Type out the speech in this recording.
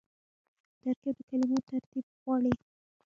ترکیب د کلمو ترتیب غواړي.